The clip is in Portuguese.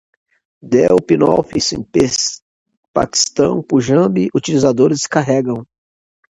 dell, openoffice, paquistão, punjab, utilizadores, descarregam